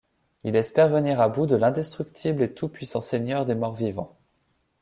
Il espère venir à bout de l'indestructible et tout-puissant seigneur des morts-vivants.